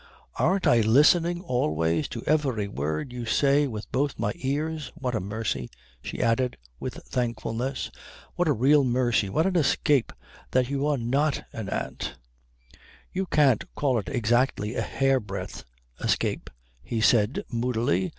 Aren't I listening always to every word you say with both my ears? What a mercy," she added with thankfulness, "what a real mercy, what an escape, that you're not an aunt!" "You can't call it exactly a hairbreadth escape," he said moodily.